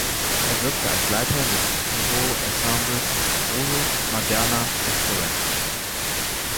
Er wirkte als Leiter des "Nuovo Ensemble "Bruno Maderna"" in Florenz.